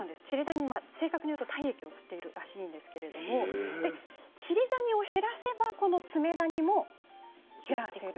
正確に言うと体液を吸っているみたいなんですけれどもチリダニを減らせばこのツメダニも減らせる。